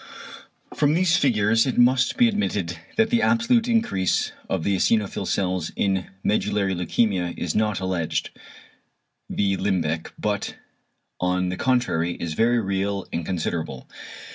From these figures it must be admitted that the absolute increase of the eosinophil cells in medullary leukæmia is not "alleged" (v. Limbeck) but on the contrary is very real and considerable.